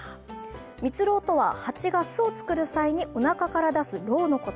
蜜ろうとは、ハチが巣を作る際におなかから出るろうのこと。